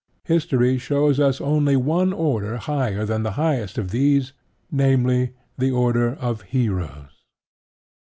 History shows us only one order higher than the highest of these: namely, the order of Heroes.